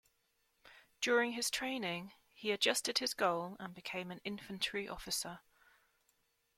During his training he adjusted his goal and became an infantry officer.